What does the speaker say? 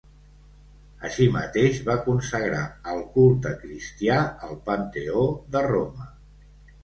Així mateix va consagrar al culte cristià el Panteó de Roma.